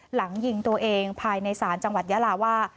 หลังยิงตัวเองภายในศาลจังหวัดยาลาว่า